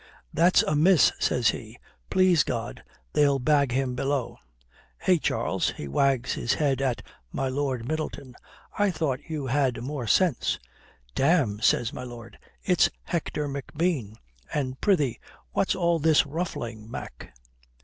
'That's a miss,' says he. 'Please God they'll bag him below. Eh, Charles,' he wags his head at my Lord Middleton, 'I thought you had more sense,' "'Damme,' says my lord, 'it's Hector McBean. And prithee what's all this ruffling, Mac?'